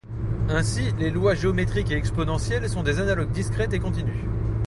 Ainsi les lois géométrique et exponentielle sont des analogues discrète et continue.